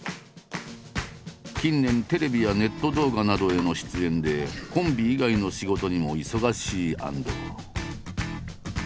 近年テレビやネット動画などへの出演でコンビ以外の仕事にも忙しい安藤。